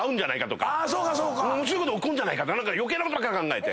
面白いこと起こるんじゃないかとか余計なこと考えて。